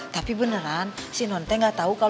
tapi beneran si nonte gak tahu kemarin